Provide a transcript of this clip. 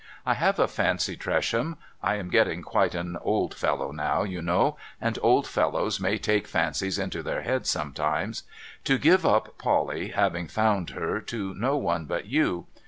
' I have a fancy, Tresham (I am getting quite an old fellow now, you know, and old fellows may take fancies into their heads some times), to give up Polly, having found her, to no one but you.